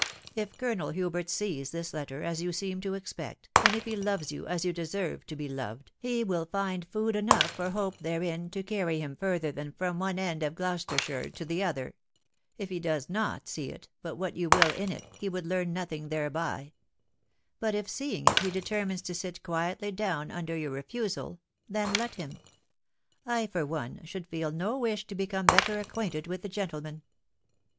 If Colonel Hubert sees this letter, as you seem to expect, and if he loves you as you deserve to be loved, he will find food enough for hope therein to carry him further than from one end of Gloucestershire to the otViex .... \i\» &w* uat «ee Hi, THE WIDOW BABNABY. 405 put what you will in it he would learn nothing thereby. ... But if, seeing it, he determines to sit quietly down under your refusal .... then let him ; I, for one, should feel no wish to become better acquainted with the gentleman."